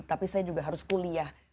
tapi saya juga harus kuliah